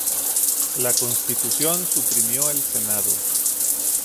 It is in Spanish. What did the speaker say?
La Constitución suprimió el Senado.